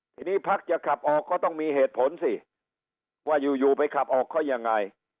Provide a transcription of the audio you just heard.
ทีนี้พักจะขับออกก็ต้องมีเหตุผลสิว่าอยู่ไปขับออกเขายังไง